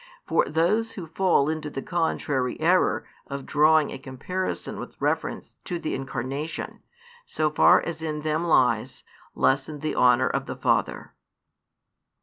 For those who fall into the contrary error of drawing a comparison with reference to the Incarnation, so far as in them lies, lessen the honour of the Father."